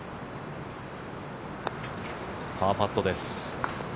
パーパットです。